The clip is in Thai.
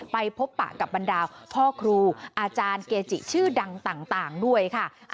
ไปพบปะกับบรรดาพ่อครูอาจารย์เกจิชื่อดังต่างด้วยค่ะ